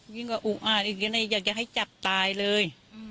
อย่างงี้แบบงอกอ้าวอยากจะให้จับตายเลย